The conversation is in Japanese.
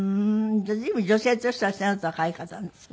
じゃあ随分女性としては背の高い方なんですね。